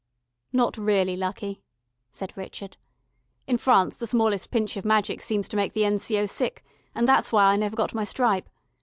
"Not really lucky," said Richard. "In France the smallest pinch of magic seems to make the N.C.O. sick, and that's why I never got my stripe.